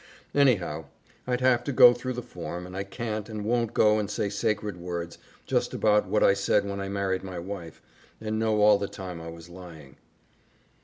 Anyhow, I'd have to go through the form, and I can't and won't go and say sacred words just about what I said when I married my wife and know all the time I was lying."